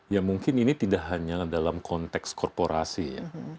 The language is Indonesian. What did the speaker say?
ya mungkin ini tidak hanya dalam konteks korporasi ya